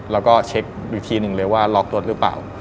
แล้วก็เช็คอีกทีหนึ่งเลยว่าล็อกรถหรือเปล่า